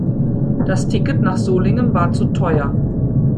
Das Ticket nach Solingen war zu teuer